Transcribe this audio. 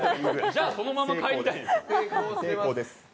じゃあ、そのまま帰りたいです。